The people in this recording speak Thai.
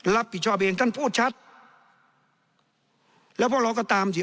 รับผิดชอบเองท่านพูดชัดแล้วพวกเราก็ตามสิ